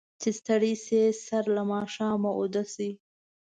چې ستړي شي، سر له ماښامه اوده شي.